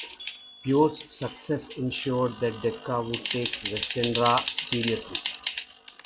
"Pure"s success ensured that Decca would take Westenra seriously.